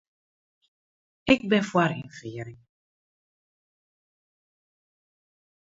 Ik bin foar ynfiering.